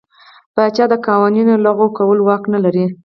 پاچا د قوانینو لغوه کولو واک نه لري.